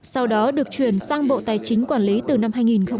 sau đó được chuyển sang bộ tài chính quản lý từ năm hai nghìn một mươi